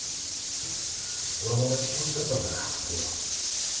俺も同じ気持ちだったんだ大陽